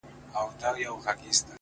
اوس هم زما د وجود ټوله پرهرونه وايي؛